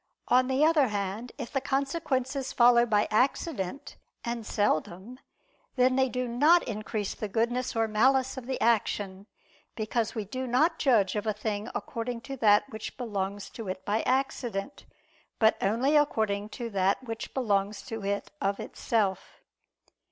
On the other hand, if the consequences follow by accident and seldom, then they do not increase the goodness or malice of the action: because we do not judge of a thing according to that which belongs to it by accident, but only according to that which belongs to it of itself.